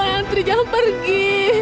gayatri jangan pergi